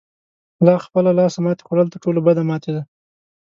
له خپله لاسه ماتې خوړل تر ټولو بده ماتې ده.